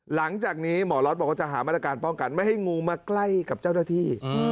หลังจากนี้หมอล็อตบอกว่าจะหามาตรการป้องกันไม่ให้งูมาใกล้กับเจ้าหน้าที่